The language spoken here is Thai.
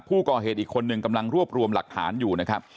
ผู้ก่อเหตุอีกคนนึงกำลังรวบรวมหลักฐานอยู่นะครับ